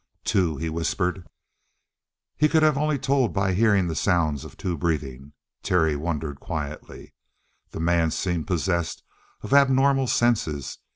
"Two," he whispered. He could only have told by hearing the sounds of two breathing; Terry wondered quietly. The man seemed possessed of abnormal senses.